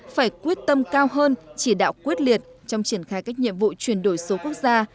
phải quyết tâm cao hơn chỉ đạo quyết liệt trong triển khai các nhiệm vụ chuyển đổi số quốc gia